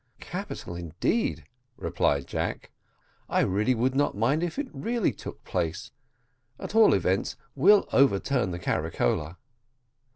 "Capital indeed," replied Jack; "I really would not mind it if it really took place; at all events we'll overturn the caricola."